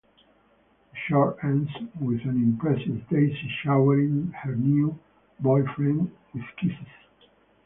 The short ends with an impressed Daisy showering her new boyfriend with kisses.